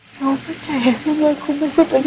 kau percaya sama aku masa tadi